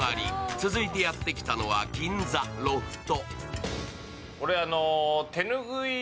続いてやってきたのは銀座ロフト。